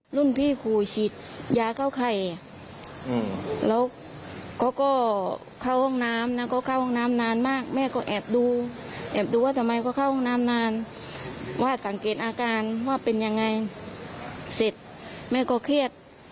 หลุ่นพี่ครูฉีดยาเข้าไข่เข้าห้องน้ำมากแม่แอบดูแม่ก็อาจถามว่าเป็นอย่างไร